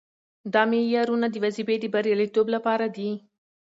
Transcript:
دا معیارونه د وظیفې د بریالیتوب لپاره دي.